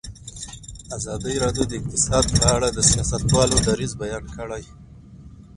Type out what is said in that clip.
ازادي راډیو د اقتصاد په اړه د سیاستوالو دریځ بیان کړی.